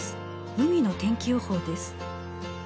海の天気予報です。